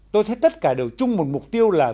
tôi thấy tất cả đều chung một mục tiêu là